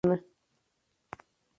El holotipo se encontró en Montana.